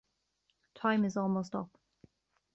Time is almost up.